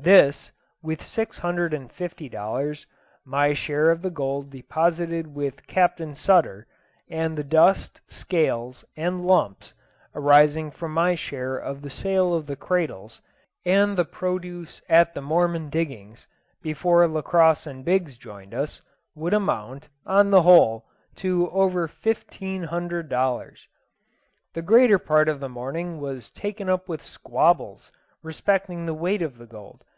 This, with six hundred and fifty dollars, my share of the gold deposited with Captain Sutter, and the dust, scales, and lumps, arising from my share of the sale of the cradles, and the produce at the Mormon diggings, before Lacosse and Biggs joined us, would amount, in the whole, to over fifteen hundred dollars. The greater part of the morning was taken up with squabbles respecting the weighing of the gold.